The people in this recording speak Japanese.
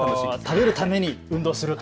食べるために運動すると。